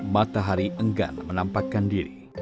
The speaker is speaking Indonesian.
matahari enggan menampakkan diri